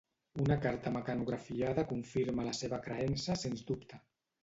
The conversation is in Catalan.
Una carta mecanografiada confirma la seva creença sens dubte.